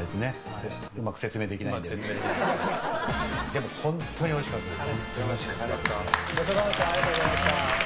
でも、本当においしかったです。